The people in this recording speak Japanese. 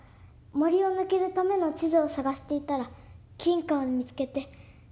森を抜けるための地図を探していたら金貨を見つけて。